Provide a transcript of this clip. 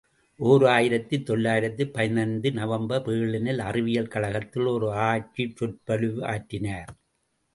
ஓர் ஆயிரத்து தொள்ளாயிரத்து பதினைந்து நவம்பர் பெர்லின் அறிவியல் கழகத்தில் ஓர் ஆராய்ச்சிச் சொற்பொழிவாற்றினார்.